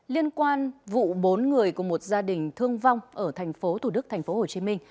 liên quan vụ bốn người của một gia đình thương vong ở tp thủ đức tp hcm